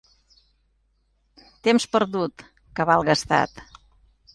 Temps perdut, cabal gastat.